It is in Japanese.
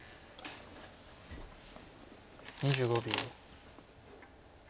２５秒。